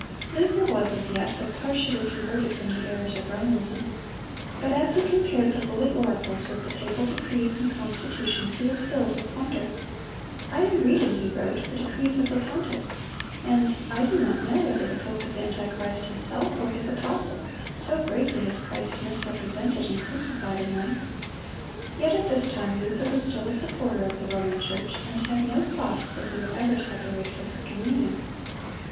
(185) Luther was as yet but partially converted from the errors of Romanism. But as he compared the Holy Oracles with the papal decrees and constitutions, he was filled with wonder. "I am reading," he wrote, "the decrees of the pontiffs, and ... I do not know whether the pope is antichrist himself, or his apostle, so greatly is Christ misrepresented and crucified in them."(186) Yet at this time Luther was still a supporter of the Roman Church, and had no thought that he would ever separate from her communion.